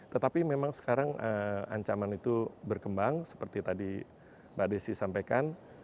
tetapi memang sekarang ancaman itu berkembang seperti tadi mbak desi sampaikan